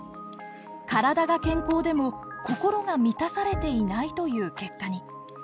体が健康でも心が満たされていないという結果に。